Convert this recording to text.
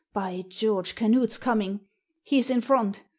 By George, Canute's coming! He's in front!